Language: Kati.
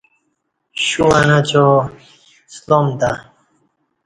شوں وا نچا اسلام تہ